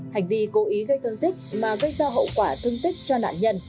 hành vi cố ý gây thương tích mà gây ra hậu quả thương tích cho nạn nhân